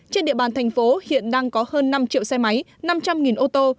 trên địa bàn thành phố hiện đang có hơn năm triệu xe máy năm trăm linh ô tô